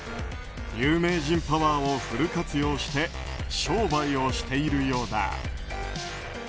有名人パワーをフル活用して商売をしているようだ。